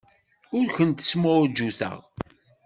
Ur kent-smuɛjuteɣ.